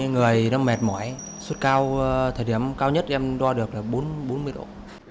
người đang mệt mỏi sốt cao thời điểm cao nhất em đo được là bốn mươi độ